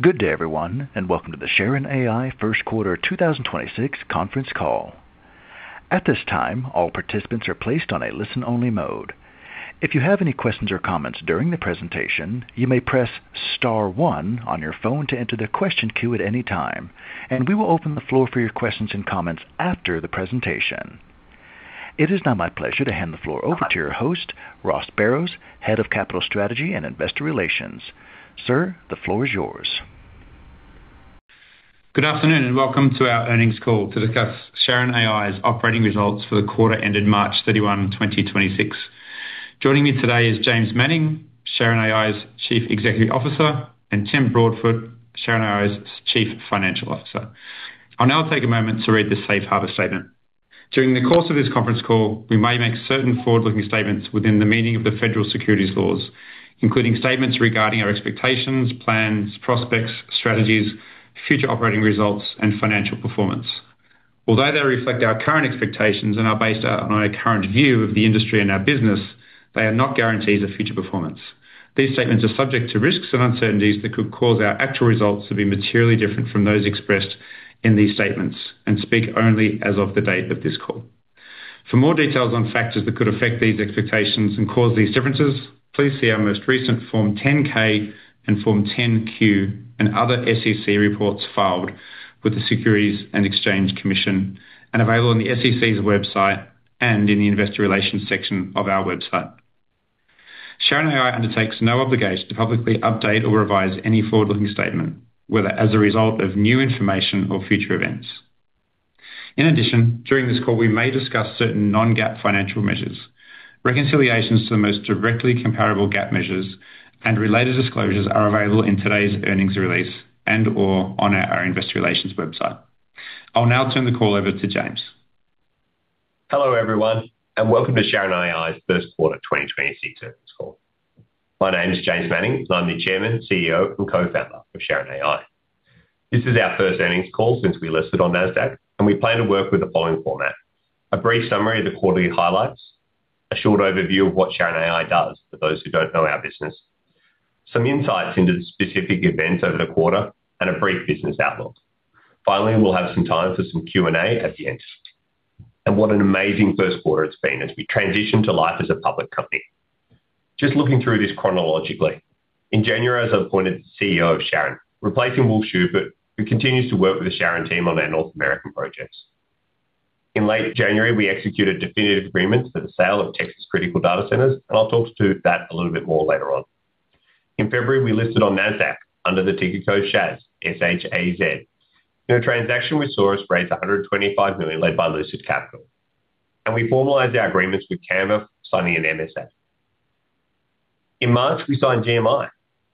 Good day, everyone, and welcome to the SharonAI first quarter 2026 conference call. At this time, all participants are placed on a listen-only mode. If you have any questions or comments during the presentation, you may press star one on your phone to enter the question queue at any time. We will open the floor for your questions and comments after the presentation. It is now my pleasure to hand the floor over to your host, Ross Barrows, Head of Capital Strategy and Investor Relations. Sir, the floor is yours. Good afternoon, welcome to our earnings call to discuss SharonAI's operating results for the quarter ended March 31st, 2026. Joining me today is James Manning, SharonAI's Chief Executive Officer, and Tim Broadfoot, SharonAI's Chief Financial Officer. I'll now take a moment to read the safe harbor statement. During the course of this conference call, we may make certain forward-looking statements within the meaning of the federal securities laws, including statements regarding our expectations, plans, prospects, strategies, future operating results, and financial performance. Although they reflect our current expectations and are based on our current view of the industry and our business, they are not guarantees of future performance. These statements are subject to risks and uncertainties that could cause our actual results to be materially different from those expressed in these statements and speak only as of the date of this call. For more details on factors that could affect these expectations and cause these differences, please see our most recent Form 10-K and Form 10-Q and other SEC reports filed with the Securities and Exchange Commission and available on the SEC's website and in the investor relations section of our website. SharonAI undertakes no obligation to publicly update or revise any forward-looking statement, whether as a result of new information or future events. In addition, during this call, we may discuss certain Non-GAAP financial measures. Reconciliations to the most directly comparable GAAP measures and related disclosures are available in today's earnings release and/or on our investor relations website. I'll now turn the call over to James. Hello, everyone, welcome to SharonAI's 1st quarter 2026 earnings call. My name is James Manning. I'm the Chairman, CEO, and co-founder of SharonAI. This is our 1st earnings call since we listed on Nasdaq, we plan to work with the following format: A brief summary of the quarterly highlights, a short overview of what SharonAI does for those who don't know our business, some insights into specific events over the quarter, and a brief business outlook. Finally, we'll have some time for some Q&A at the end. What an amazing 1st quarter it's been as we transition to life as a public company. Just looking through this chronologically. In January, I was appointed CEO of SharonAI, replacing Wolf Schubert, who continues to work with the SharonAI team on their North American projects. In late January, we executed definitive agreements for the sale of Texas Critical Data Centers, and I'll talk to that a little bit more later on. In February, we listed on Nasdaq under the ticker code SHAZ, S-H-A-Z. In a transaction with Soar, raised $125 million led by Lucid Capital. We formalized our agreements with Canva, signing an MSA. In March, we signed GMI,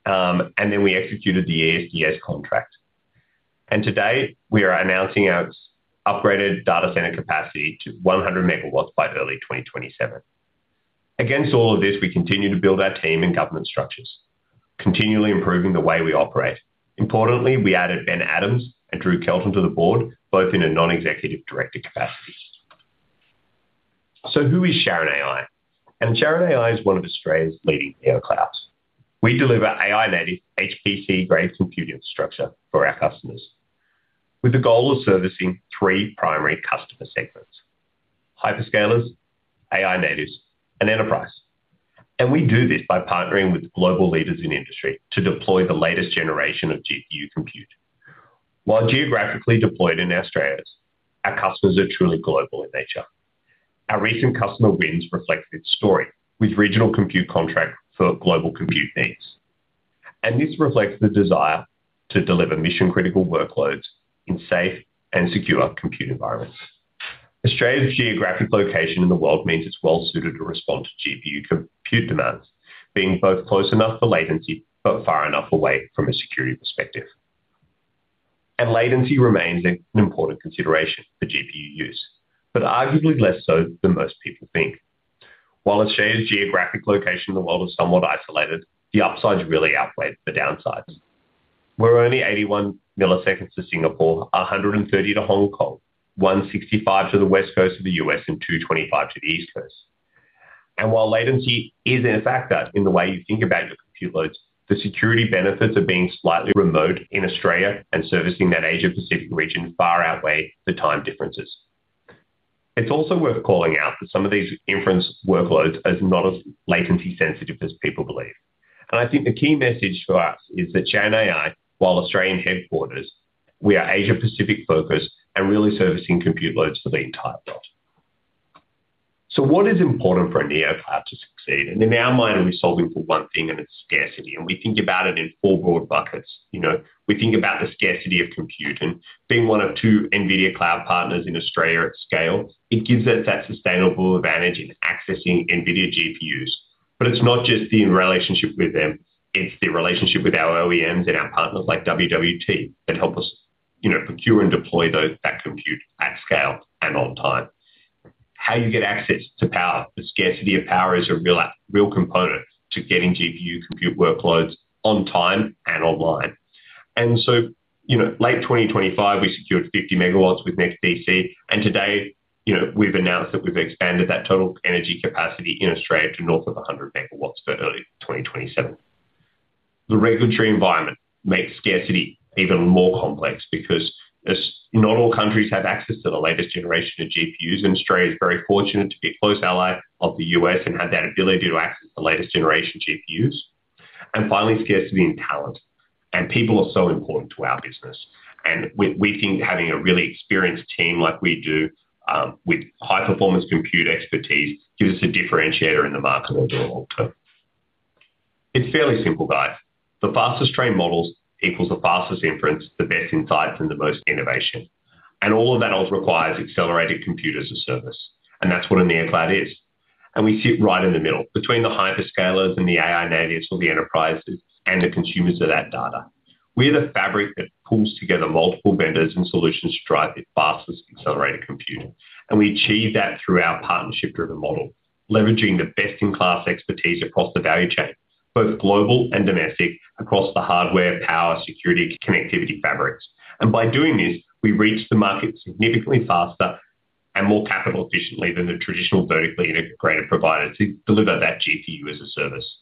and then we executed the ESDS contract. Today, we are announcing our upgraded data center capacity to 100 MW by early 2027. Against all of this, we continue to build our team and governance structures, continually improving the way we operate. Importantly, we added Ben Adams and Drew Kelton to the board, both in a non-executive director capacity. Who is SharonAI? SharonAI is one of Australia's leading NeoClouds. We deliver AI-native HPC-grade compute infrastructure for our customers with the goal of servicing three primary customer segments: hyperscalers, AI natives, and enterprise. We do this by partnering with global leaders in industry to deploy the latest generation of GPU compute. While geographically deployed in Australia, our customers are truly global in nature. Our recent customer wins reflect this story with regional compute contracts for global compute needs. This reflects the desire to deliver mission-critical workloads in safe and secure compute environments. Australia's geographic location in the world means it's well-suited to respond to GPU compute demands, being both close enough for latency but far enough away from a security perspective. Latency remains an important consideration for GPU use, but arguably less so than most people think. While Australia's geographic location in the world is somewhat isolated, the upsides really outweigh the downsides. We're only 81 milliseconds to Singapore, 130 to Hong Kong, 165 to the West Coast of the U.S., and 225 to the East Coast. While latency is a factor in the way you think about your compute loads, the security benefits of being slightly remote in Australia and servicing that Asia Pacific region far outweigh the time differences. I think the key message for us is that SharonAI, while Australian headquarters, we are Asia Pacific focused and really servicing compute loads for the entire world. What is important for a NeoCloud to succeed? In our mind, we're solving for one thing, and it's scarcity. We think about it in 4 broad buckets. You know, we think about the scarcity of compute, being one of two NVIDIA cloud partners in Australia at scale, it gives us that sustainable advantage in accessing NVIDIA GPUs. It's not just the relationship with them, it's the relationship with our OEMs and our partners like WWT that help us, you know, procure and deploy that compute at scale and on time. How you get access to power. The scarcity of power is a real component to getting GPU compute workloads on time and online. You know, late 2025, we secured 50 MW with NEXTDC. Today, you know, we've announced that we've expanded that total energy capacity in Australia to north of 100 MW for early 2027. The regulatory environment makes scarcity even more complex because not all countries have access to the latest generation of GPUs, and Australia is very fortunate to be a close ally of the U.S. and have that ability to access the latest generation GPUs. Finally, scarcity in talent. People are so important to our business. We think having a really experienced team like we do, with High-Performance Compute expertise gives us a differentiator in the market we're doing well. It's fairly simple, guys. The fastest train models equals the fastest inference, the best insights, and the most innovation. All of that also requires accelerated compute as a service, that's what a NeoCloud is. We sit right in the middle between the hyperscalers and the AI natives or the enterprises and the consumers of that data. We're the fabric that pulls together multiple vendors and solutions to drive the fastest accelerated compute. We achieve that through our partnership-driven model, leveraging the best-in-class expertise across the value chain, both global and domestic, across the hardware, power, security, connectivity fabrics. By doing this, we reach the market significantly faster and more capital efficiently than the traditional vertically integrated provider to deliver that GPU as a service.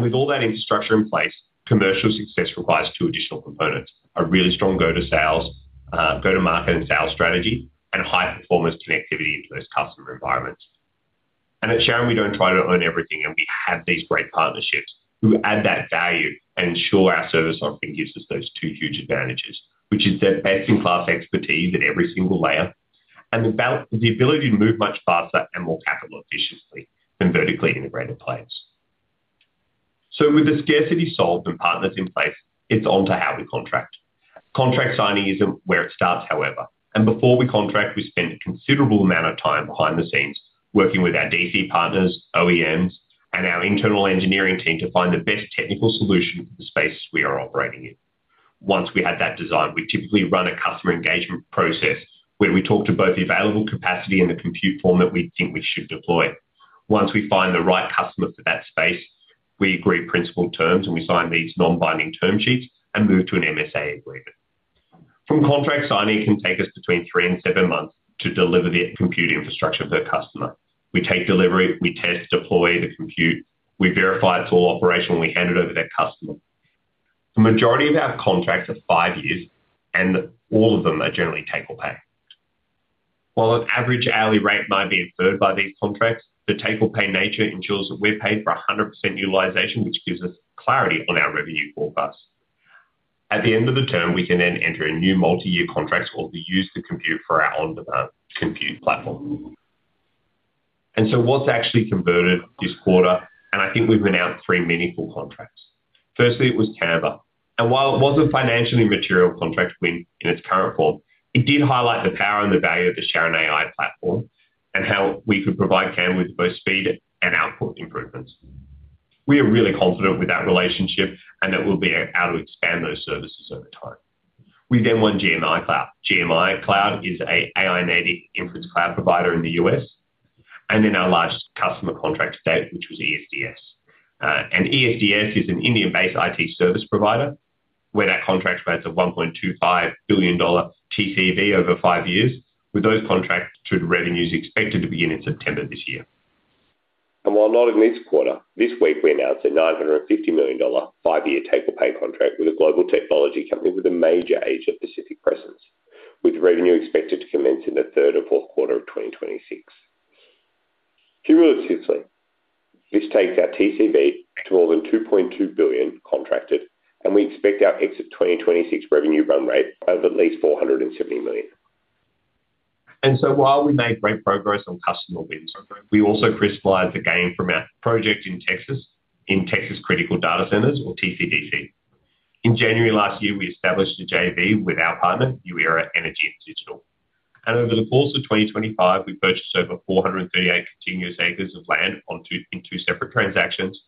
With all that infrastructure in place, commercial success requires two additional components: a really strong go-to-market and sales strategy and high-performance connectivity into those customer environments. At Sharon, we don't try to own everything, and we have these great partnerships who add that value and ensure our service offering gives us those two huge advantages, which is the best-in-class expertise at every single layer and the ability to move much faster and more capital efficiently than vertically integrated players. With the scarcity solved and partners in place, it's on to how we contract. Contract signing isn't where it starts, however. Before we contract, we spend a considerable amount of time behind the scenes working with our DC partners, OEMs, and our internal engineering team to find the best technical solution for the spaces we are operating in. Once we have that design, we typically run a customer engagement process where we talk to both the available capacity and the compute form that we think we should deploy. Once we find the right customer for that space, we agree principal terms, and we sign these non-binding term sheets and move to an MSA agreement. From contract signing can take us between 3 and 7 months to deliver the compute infrastructure to the customer. We take delivery, we test, deploy the compute, we verify it's all operational, and we hand it over to that customer. The majority of our contracts are five years, and all of them are generally take or pay. While an average hourly rate might be inferred by these contracts, the take or pay nature ensures that we're paid for 100% utilization, which gives us clarity on our revenue forecast. At the end of the term, we can then enter a new multi-year contract or we use the compute for our own development compute platform. What's actually converted this quarter, and I think we've announced 3 meaningful contracts. Firstly, it was Canva. While it wasn't financially material contract win in its current form, it did highlight the power and the value of the SharonAI platform and how we could provide Canva with both speed and output improvements. We are really confident with that relationship and that we'll be able to expand those services over time. We then won GMI Cloud. GMI Cloud is a AI-native inference cloud provider in the U.S., and then our largest customer contract to date, which was ESDS. ESDS is an India-based IT service provider, where that contract's worth a $1.25 billion TCV over 5 years, with those contracts to revenues expected to begin in September this year. While not in this quarter, this week we announced a $950 million 5-year take or pay contract with a global technology company with a major Asia-Pacific presence, with revenue expected to commence in the third or fourth quarter of 2026. Cumulatively, this takes our TCV to more than $2.2 billion contracted, and we expect our exit 2026 revenue run rate of at least $470 million. While we made great progress on customer wins, we also crystallized the gain from our project in Texas, in Texas Critical Data Centers or TCDC. In January last year, we established a JV with our partner, New Era Energy & Digital. Over the course of 2025, we purchased over 438 contiguous acres of land in 2 separate transactions.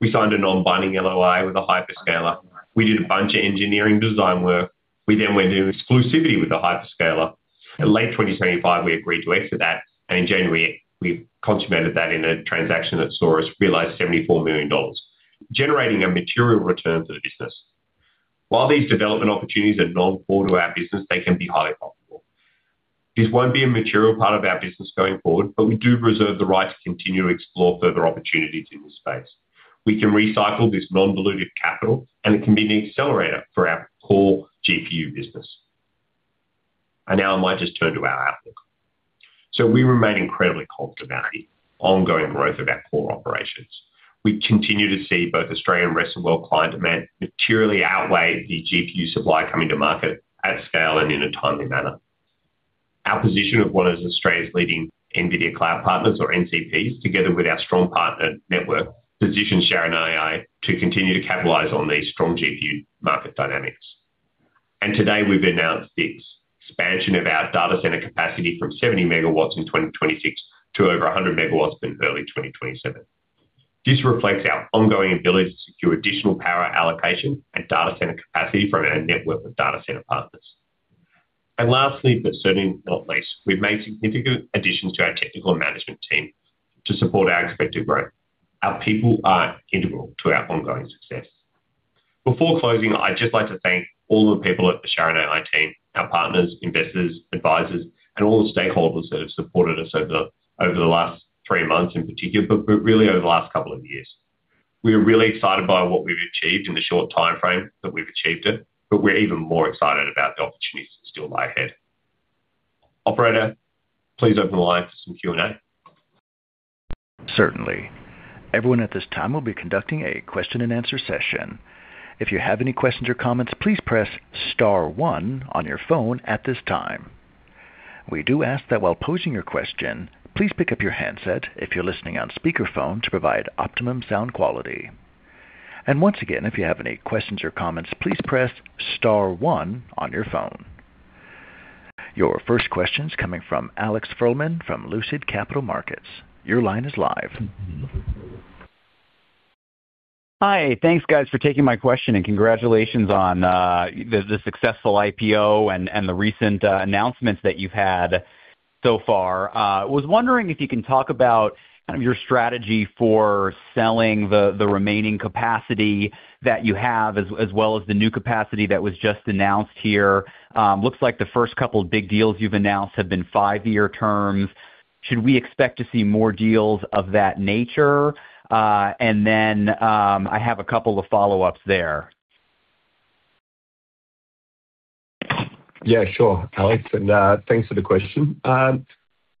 We signed a non-binding LOI with a hyperscaler. We did a bunch of engineering design work. We then went into exclusivity with the hyperscaler. In late 2025, we agreed to exit that. In January, we consummated that in a transaction that saw us realize $74 million, generating a material return for the business. While these development opportunities are non-core to our business, they can be highly profitable. This won't be a material part of our business going forward, but we do reserve the right to continue to explore further opportunities in this space. We can recycle this non-dilutive capital, and it can be an accelerator for our core GPU business. Now I might just turn to our outlook. We remain incredibly confident about the ongoing growth of our core operations. We continue to see both Australian rest of world client demand materially outweigh the GPU supply coming to market at scale and in a timely manner. Our position of one of Australia's leading NVIDIA cloud partners or NCPs, together with our strong partner network, positions SharonAI to continue to capitalize on these strong GPU market dynamics. Today we've announced this expansion of our data center capacity from 70 MW in 2026 to over 100 MW in early 2027. This reflects our ongoing ability to secure additional power allocation and data center capacity from our network of data center partners. Lastly, but certainly not least, we've made significant additions to our technical and management team to support our expected growth. Our people are integral to our ongoing success. Before closing, I'd just like to thank all the people at the SharonAI team, our partners, investors, advisors, and all the stakeholders that have supported us over the last three months in particular, but really over the last couple of years. We are really excited by what we've achieved in the short timeframe that we've achieved it, but we're even more excited about the opportunities that still lie ahead. Operator, please open the line for some Q&A. Certainly. Everyone at this time will be conducting a question and answer session. If you have any questions or comments, please press star one on your phone at this time. We do ask that while posing your question, please pick up your handset if you're listening on speaker phone to provide optimum sound quality. Once again, if you have any questions or comments, please press star one on your phone. Your first question's coming from Alex Frohman from Lucid Capital Markets. Your line is live. Hi. Thanks, guys, for taking my question. Congratulations on the successful IPO and the recent announcements that you've had so far. Was wondering if you can talk about kind of your strategy for selling the remaining capacity that you have as well as the new capacity that was just announced here. Looks like the first couple of big deals you've announced have been 5-year terms. Should we expect to see more deals of that nature? Then, I have a couple of follow-ups there. Yeah, sure, Alex, thanks for the question.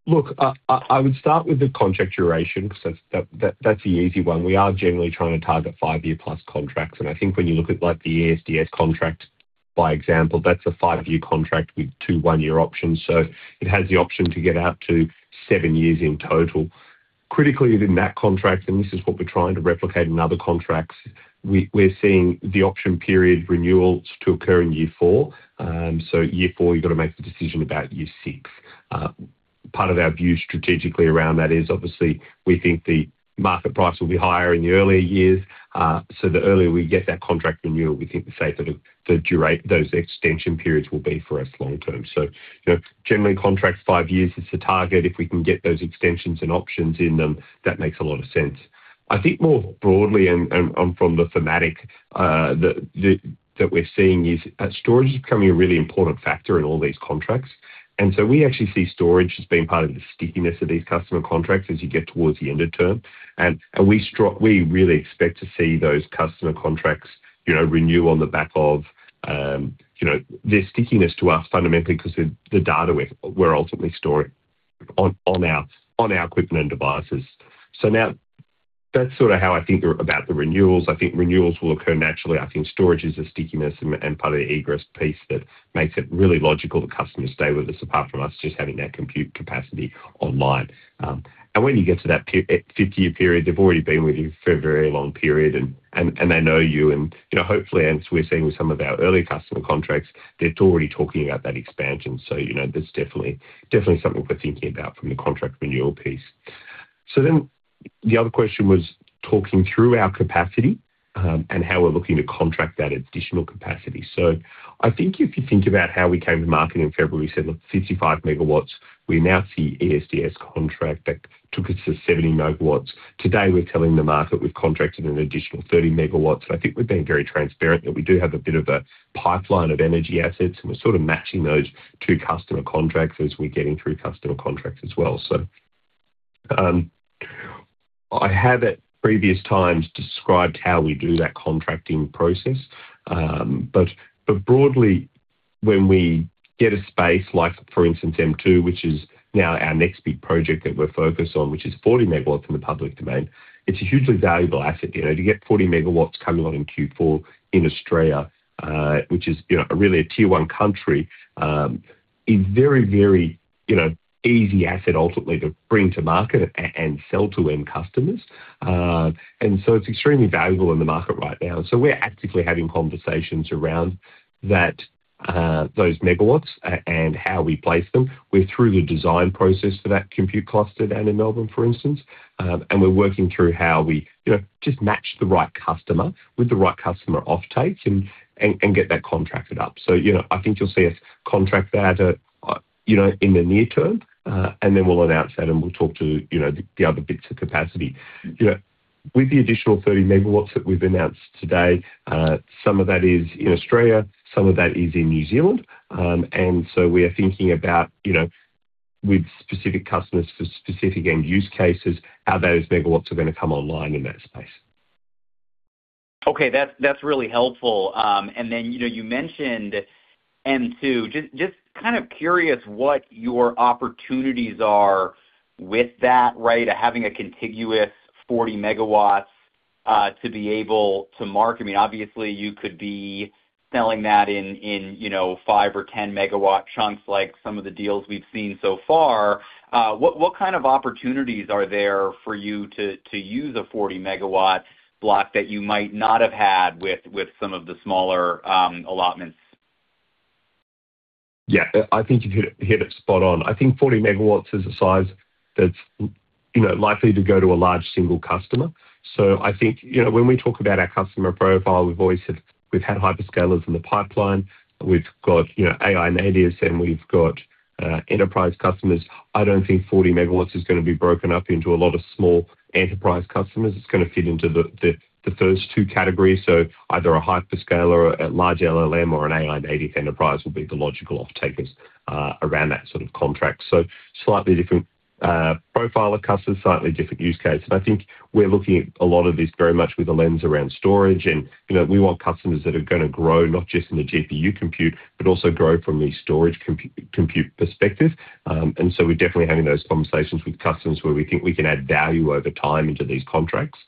Look, I would start with the contract duration 'cause that's the easy one. We are generally trying to target 5-year-plus contracts. I think when you look at like the ESDS contract by example, that's a 5-year contract with 2 1-year options, so it has the option to get out to 7 years in total. Critically within that contract, this is what we're trying to replicate in other contracts, we're seeing the option period renewals to occur in year 4. Year 4, you've got to make the decision about year 6. Part of our view strategically around that is obviously we think the market price will be higher in the earlier years, so the earlier we get that contract renewal, we think the safer those extension periods will be for us long term. You know, generally contracts five years is the target. If we can get those extensions and options in them, that makes a lot of sense. I think more broadly and from the thematic that we're seeing is storage is becoming a really important factor in all these contracts. We actually see storage as being part of the stickiness of these customer contracts as you get towards the end of term. We really expect to see those customer contracts, you know, renew on the back of, you know, their stickiness to us fundamentally because the data we're ultimately storing on our equipment and devices. Now that's sort of how I think about the renewals. I think renewals will occur naturally. I think storage is a stickiness and part of the egress piece that makes it really logical that customers stay with us apart from us just having that compute capacity online. When you get to that 5-year period, they've already been with you for a very long period and they know you and, you know, hopefully, and as we're seeing with some of our earlier customer contracts, they're already talking about that expansion. You know, that's definitely something we're thinking about from the contract renewal piece. The other question was talking through our capacity, and how we're looking to contract that additional capacity. I think if you think about how we came to market in February, we said, look, 55 MW. We announced the ESDS contract that took us to 70 MW. Today, we're telling the market we've contracted an additional 30 MW, and I think we've been very transparent that we do have a bit of a pipeline of energy assets, and we're sort of matching those to customer contracts as we're getting through customer contracts as well. I have at previous times described how we do that contracting process. But broadly, when we get a space like, for instance, M2, which is now our next big project that we're focused on, which is 40 MW in the public domain, it's a hugely valuable asset. You know, to get 40 MW coming along in Q4 in Australia, which is, you know, really a Tier 1 country, is very, you know, easy asset ultimately to bring to market and sell to end customers. It's extremely valuable in the market right now. We're actively having conversations around that, those MW and how we place them. We're through the design process for that compute cluster down in Melbourne, for instance. We're working through how we, you know, just match the right customer with the right customer offtakes and get that contracted up. you know, I think you'll see us contract that at, you know, in the near term, and then we'll announce that and we'll talk to, you know, the other bits of capacity. You know, with the additional 30 MW that we've announced today, some of that is in Australia, some of that is in New Zealand. We are thinking about, you know, with specific customers for specific end use cases, how those MW are gonna come online in that space. Okay. That's really helpful. Then, you know, you mentioned M2. Just kind of curious what your opportunities are with that, right? Having a contiguous 40 MW to be able to market. I mean, obviously you could be selling that in, you know, 5 MW or 10 MW chunks like some of the deals we've seen so far. What kind of opportunities are there for you to use a 40 MW block that you might not have had with some of the smaller allotments? Yeah. I think you've hit it, hit it spot on. I think 40 MW is a size that's, you know, likely to go to a large single customer. I think, you know, when we talk about our customer profile, we've always had hyperscalers in the pipeline. We've got, you know, AI natives, and we've got enterprise customers. I don't think 40 MW is gonna be broken up into a lot of small enterprise customers. It's gonna fit into the first two categories. Either a hyperscaler or a large LLM or an AI native enterprise will be the logical off-takers around that sort of contract. Slightly different profile of customers, slightly different use case. I think we're looking at a lot of this very much with a lens around storage and, you know, we want customers that are gonna grow, not just in the GPU compute, but also grow from the storage compute perspective. We're definitely having those conversations with customers where we think we can add value over time into these contracts,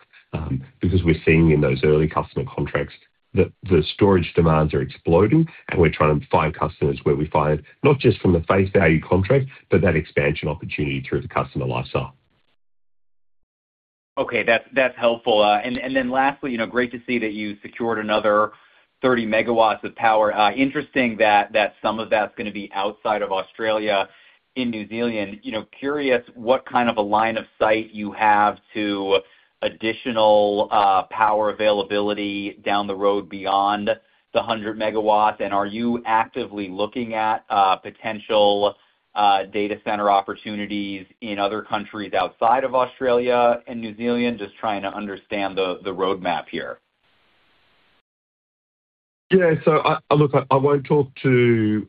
because we're seeing in those early customer contracts that the storage demands are exploding, and we're trying to find customers where we find not just from the face value contract, but that expansion opportunity through the customer lifestyle. Okay. That's helpful. Then lastly, you know, great to see that you secured another 30 MW of power. Interesting that some of that's gonna be outside of Australia in New Zealand. You know, curious what kind of a line of sight you have to additional power availability down the road beyond the 100 MW. Are you actively looking at potential data center opportunities in other countries outside of Australia and New Zealand? Just trying to understand the roadmap here. Yeah. I, look, I won't talk to,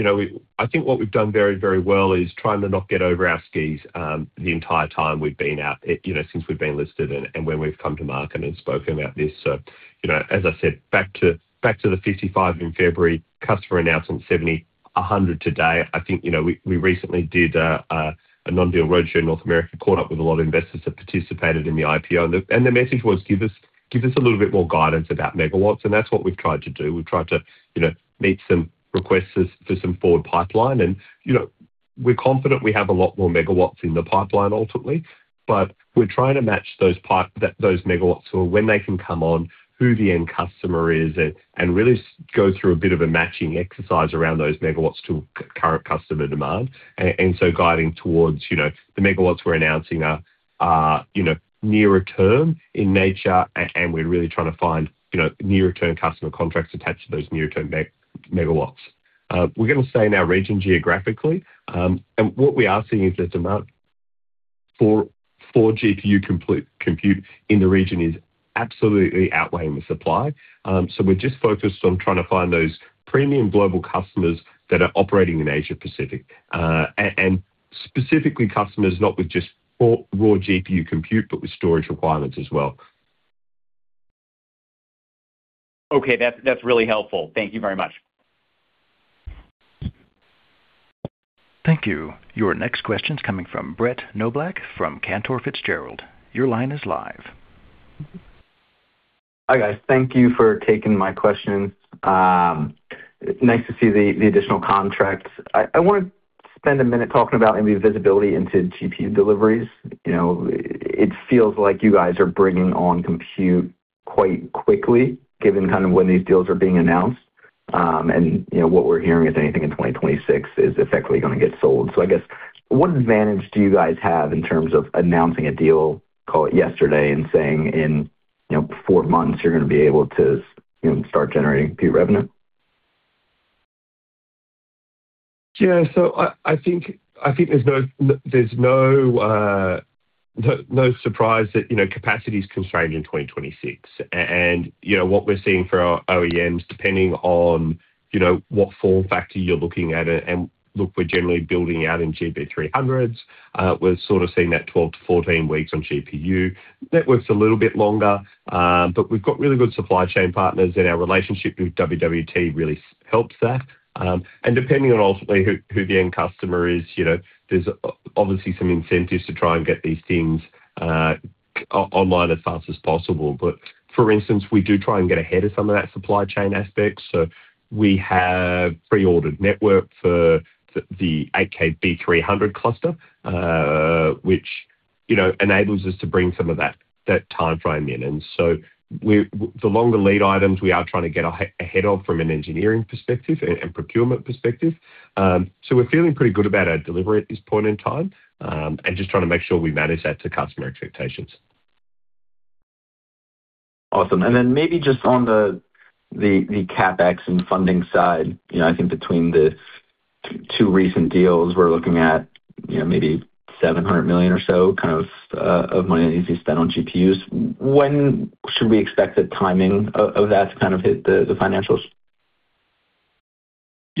you know I think what we've done very, very well is trying to not get over our skis, the entire time we've been out, you know, since we've been listed and when we've come to market and spoken about this. You know, as I said, back to the 55 in February, customer announcement 70, 100 today. I think, you know, we recently did a non-deal roadshow in North America, caught up with a lot of investors that participated in the IPO. The message was, "Give us a little bit more guidance about megawatt. We've tried to, you know, meet some requests as for some forward pipeline and, you know, we're confident we have a lot more megawatt in the pipeline ultimately, but we're trying to match those megawatt to when they can come on, who the end customer is, and really go through a bit of a matching exercise around those megawatt to current customer demand. Guiding towards, you know, the megawatt we're announcing are, you know, nearer term in nature, and we're really trying to find, you know, near-term customer contracts attached to those near-term megawatt. We're gonna stay in our region geographically. What we are seeing is the demand for GPU compute in the region is absolutely outweighing the supply. We're just focused on trying to find those premium global customers that are operating in Asia-Pacific. Specifically customers not with just for raw GPU compute, but with storage requirements as well. Okay. That's really helpful. Thank you very much. Thank you. Your next question's coming from Brett Knoblauch from Cantor Fitzgerald. Your line is live. Hi, guys. Thank you for taking my question. Nice to see the additional contracts. I wanna spend a minute talking about maybe visibility into GPU deliveries. You know, it feels like you guys are bringing on compute quite quickly given kind of when these deals are being announced. You know, what we're hearing is anything in 2026 is effectively gonna get sold. I guess what advantage do you guys have in terms of announcing a deal, call it yesterday, and saying in, you know, 4 months you're gonna be able to, you know, start generating GPU revenue? I think there's no surprise that, you know, capacity is constrained in 2026. You know, what we're seeing for our OEMs, depending on, you know, what form factor you're looking at, and look, we're generally building out in GB300s. We're sort of seeing that 12 to 14 weeks on GPU. Network's a little bit longer, but we've got really good supply chain partners, and our relationship with WWT really helps that. Depending on ultimately who the end customer is, you know, there's obviously some incentives to try and get these things online as fast as possible. For instance, we do try and get ahead of some of that supply chain aspect. We have pre-ordered network for the GB300 cluster, which, you know, enables us to bring some of that timeframe in. The longer lead items we are trying to get ahead of from an engineering perspective and procurement perspective. We're feeling pretty good about our delivery at this point in time, and just trying to make sure we manage that to customer expectations. Awesome. Maybe just on the CapEx and funding side. You know, I think between the two recent deals, we're looking at, you know, maybe $700 million or so kind of money that needs to be spent on GPUs. When should we expect the timing of that to kind of hit the financials?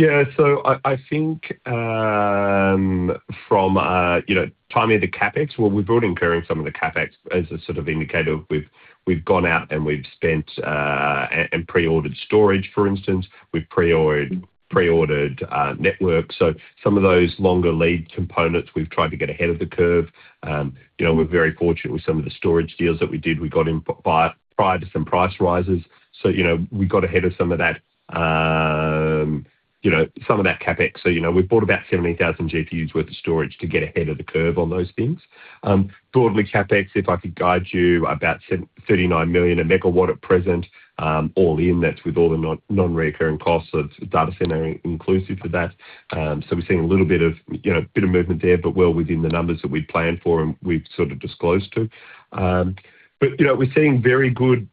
I think, you know, from timing of the CapEx, well, we're already incurring some of the CapEx as a sort of indicator. We've gone out and we've spent and pre-ordered storage, for instance. We've pre-ordered network. Some of those longer lead components, we've tried to get ahead of the curve. You know, we're very fortunate with some of the storage deals that we did. We got in prior to some price rises. You know, we got ahead of some of that. You know, some of that CapEx. You know, we've bought about 70,000 GPUs worth of storage to get ahead of the curve on those things. Broadly CapEx, if I could guide you about $39 million a megawatt at present, all in. That's with all the non-reoccurring costs of data center inclusive to that. We're seeing a little bit of, you know, bit of movement there, but well within the numbers that we'd planned for and we've sort of disclosed to. You know, we're seeing very good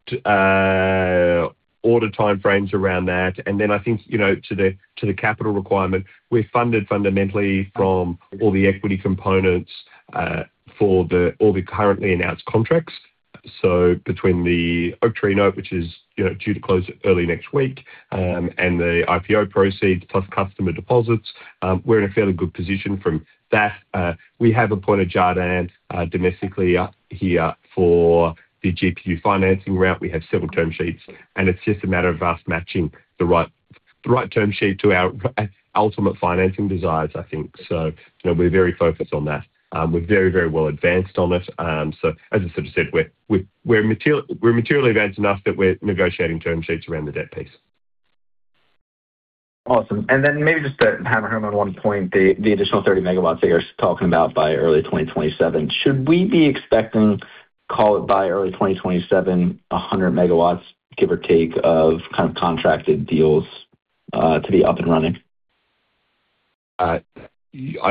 order timeframes around that. I think, you know, to the, to the capital requirement, we're funded fundamentally from all the equity components for all the currently announced contracts. Between the Oaktree note, which is, you know, due to close early next week, and the IPO proceeds plus customer deposits, we're in a fairly good position from that. We have appointed Jarden domestically here for the GPU financing route. We have several term sheets. It's just a matter of us matching the right term sheet to our ultimate financing desires, I think. You know, we're very focused on that. We're very well advanced on it. As I sort of said, we're materially advanced enough that we're negotiating term sheets around the debt piece. Awesome. Maybe just to hammer home on one point, the additional 30 MW that you're talking about by early 2027, should we be expecting, call it, by early 2027, 100 MW, give or take, of kind of contracted deals to be up and running? I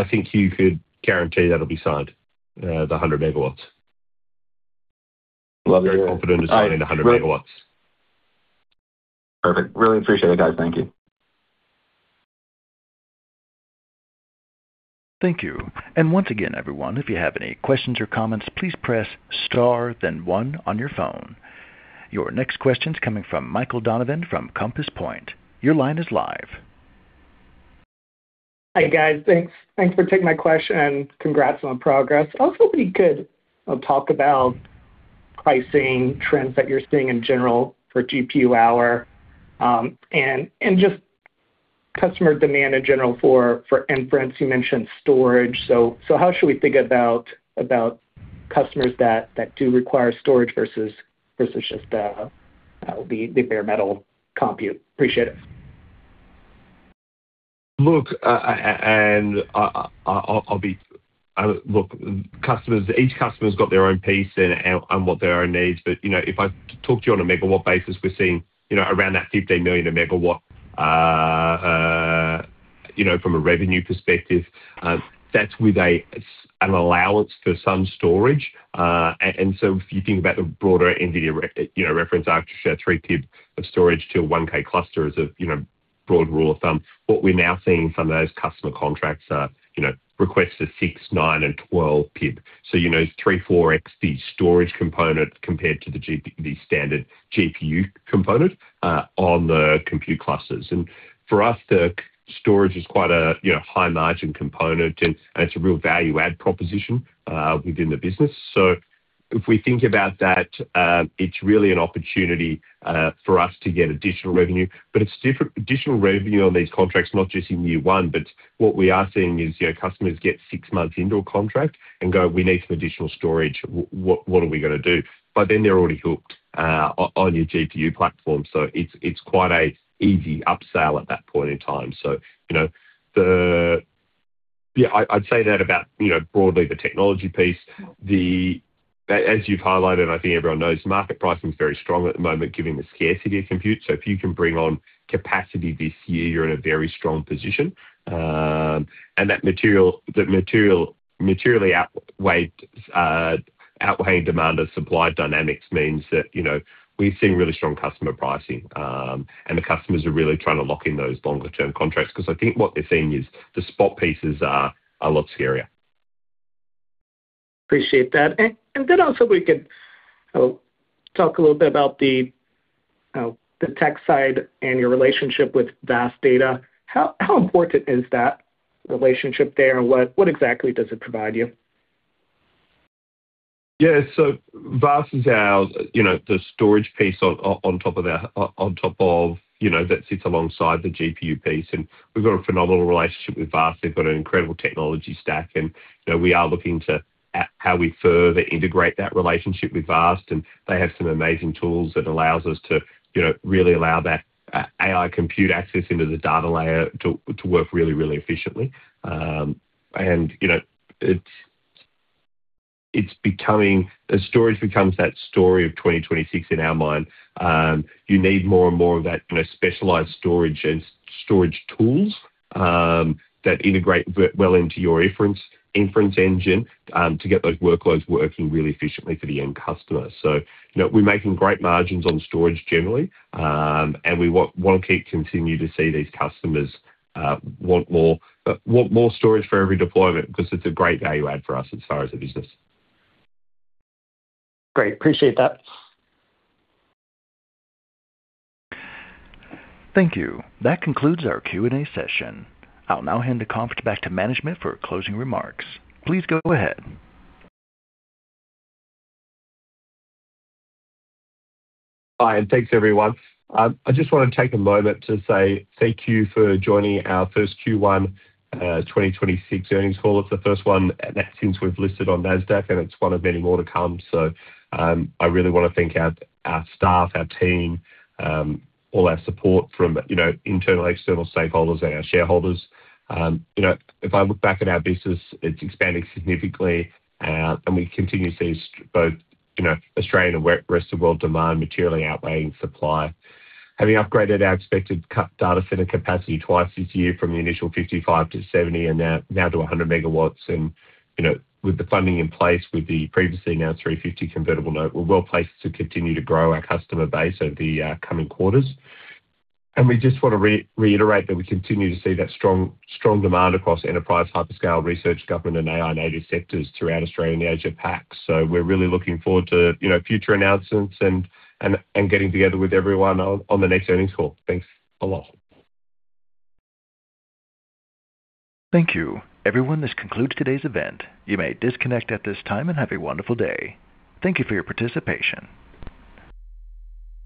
think you could guarantee that'll be signed, the 100 MW. Love you. Very confident of signing the 100 MW. Perfect. Really appreciate it, guys. Thank you. Thank you. Once again, everyone, if you have any questions or comments, please press star then one on your phone. Your next question's coming from Michael Donovan from Compass Point. Hi, guys. Thanks. Thanks for taking my question, and congrats on progress. If you could talk about pricing trends that you're seeing in general for GPU hour, and just customer demand in general for inference. You mentioned storage, so how should we think about customers that do require storage versus just the bare metal compute? Appreciate it. Look, each customer's got their own piece and what their own needs. If I talk to you on a megawatt basis, we're seeing around that $15 million a megawatt from a revenue perspective, that's with an allowance for some storage. If you think about the broader NVIDIA reference architecture, 3 PiB of storage to a 1K cluster is a broad rule of thumb. What we're now seeing from those customer contracts are requests of 6, 9, and 12 PiB. 3, 4x the storage component compared to the standard GPU component on the compute clusters. For us, the storage is quite a, you know, high margin component, and it's a real value add proposition within the business. If we think about that, it's really an opportunity for us to get additional revenue. It's additional revenue on these contracts, not just in year 1, but what we are seeing is, you know, customers get 6 months into a contract and go, "We need some additional storage. What are we gonna do?" By then, they're already hooked on your GPU platform. It's quite a easy upsell at that point in time. You know, I'd say that about, you know, broadly the technology piece. The as you've highlighted, I think everyone knows market pricing is very strong at the moment given the scarcity of compute. If you can bring on capacity this year, you're in a very strong position. That materially outweighing demand of supply dynamics means that, you know, we're seeing really strong customer pricing. The customers are really trying to lock in those longer term contracts 'cause I think what they're seeing is the spot prices are a lot scarier. Appreciate that. Then also if we could talk a little bit about the tech side and your relationship with VAST Data. How important is that relationship there, and what exactly does it provide you? Yeah. VAST is our, you know, the storage piece on top of our, on top of, you know, that sits alongside the GPU piece. We've got a phenomenal relationship with VAST. They've got an incredible technology stack, and, you know, we are looking to how we further integrate that relationship with VAST. They have some amazing tools that allows us to, you know, really allow that AI compute access into the data layer to work really, really efficiently. You know, it's becoming As storage becomes that story of 2026 in our mind, you need more and more of that, you know, specialized storage and storage tools that integrate well into your inference engine to get those workloads working really efficiently for the end customer. You know, we're making great margins on storage generally, and we wanna keep continuing to see these customers, want more, want more storage for every deployment 'cause it's a great value add for us as far as the business. Great. Appreciate that. Thank you. That concludes our Q&A session. I'll now hand the conference back to management for closing remarks. Please go ahead. Hi, and thanks, everyone. I just wanna take a moment to say thank you for joining our first Q1 2026 earnings call. It's the first one since we've listed on Nasdaq, and it's one of many more to come. I really wanna thank our staff, our team, all our support from, you know, internal, external stakeholders and our shareholders. You know, if I look back at our business, it's expanded significantly, and we continue to see both, you know, Australian and rest of world demand materially outweighing supply. Having upgraded our expected data center capacity twice this year from the initial 55 to 70 and now to 100 MW. You know, with the funding in place, with the previously announced $350 convertible note, we're well-placed to continue to grow our customer base over the coming quarters. We just wanna reiterate that we continue to see that strong demand across enterprise, hyperscale, research, government, and AI native sectors throughout Australia and the Asia Pac. We're really looking forward to, you know, future announcements and getting together with everyone on the next earnings call. Thanks a lot. Thank you. Everyone, this concludes today's event. You may disconnect at this time, and have a wonderful day. Thank you for your participation.